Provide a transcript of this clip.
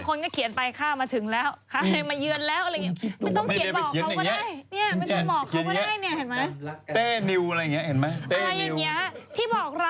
คนก็เขียนไปข้ามาถึงแล้วข้าอะไรมาเยือนแล้วอะไรอย่างนี้